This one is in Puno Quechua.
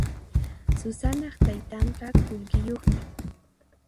Susanaq taytanqa qullqiyuqmi.